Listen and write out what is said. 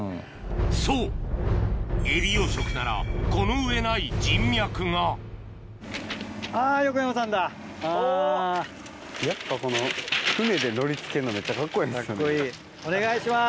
そうエビ養殖ならこの上ない人脈がお願いします！